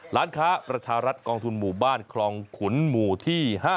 ร้านค้าประชารัฐกองทุนหมู่บ้านคลองขุนหมู่ที่๕